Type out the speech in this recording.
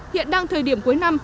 hiện đang thời điểm cuối năm